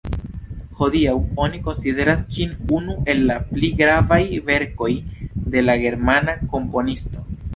Hodiaŭ oni konsideras ĝin unu el la pli gravaj verkoj de la germana komponisto.